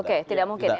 oke tidak mungkin ya